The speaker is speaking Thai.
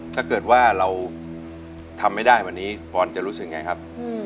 ถ้าเกิดว่าเราทำไม่ได้วันนี้ปอนจะรู้สึกไงครับ